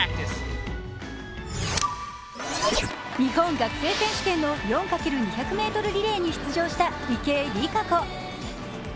日本学生選手権の４×２００ｍリレーに出場した池江璃花子。